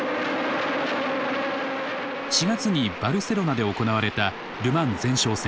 ４月にバルセロナで行われたル・マン前哨戦。